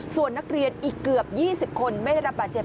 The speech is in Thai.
ส่วนนักเรียนอีกเกือบ๒๐คนไม่ได้รับบาดเจ็บ